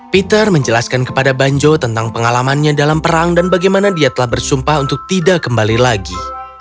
peter menjelaskan kepada banjo tentang pengalamannya dalam perang dan bagaimana dia telah bersumpah untuk tidak kembali lagi